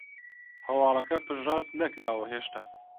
هەواڵەکە پشتڕاست نەکراوە هێشتا